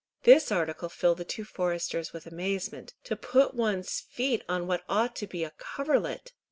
This article filled the two foresters with amazement. To put one's feet on what ought to be a coverlet!